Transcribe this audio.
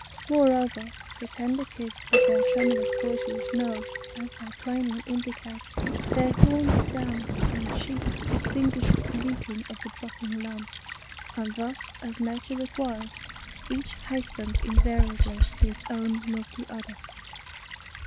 Moreover, the tender kids, with their tremulous voices, know, as they plainly indicate, their homed dams, and sheep distinguish the bleating of the butting lamb ; and thus, as nature requires, each hastens invariably to its own milky udder.